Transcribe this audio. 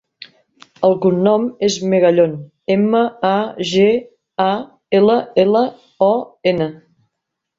El cognom és Magallon: ema, a, ge, a, ela, ela, o, ena.